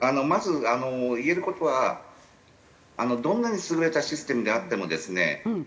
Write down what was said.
まず言える事はどんなに優れたシステムであってもですね